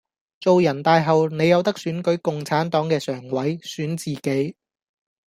做人大後你有得選舉共產黨既常委，選自己